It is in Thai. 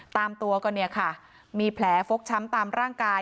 ตามตัวก็เนี่ยค่ะมีแผลฟกช้ำตามร่างกาย